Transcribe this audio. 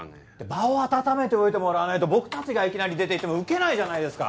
場を温めておいてもらわないと僕たちがいきなり出ていってもウケないじゃないですか。